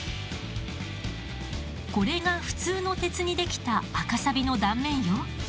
これが普通の鉄にできた赤サビの断面よ。